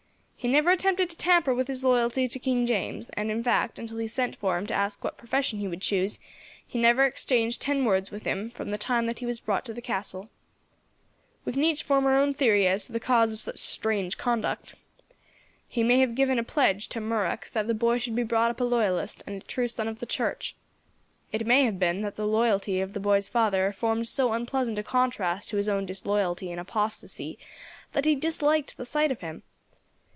He never attempted to tamper with his loyalty to King James, and in fact, until he sent for him to ask what profession he would choose, he never exchanged ten words with him, from the time that he was brought to the castle. "We can each form our own theory as to the cause of such strange conduct. He may have given a pledge, to Murroch, that the boy should be brought up a loyalist, and a true son of the church. It may have been that the loyalty of the boy's father formed so unpleasant a contrast to his own disloyalty, and apostasy, that he disliked the sight of him.